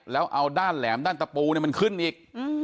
แล้วเอาด้านแหลมด้านตะปูมันขึ้นอีก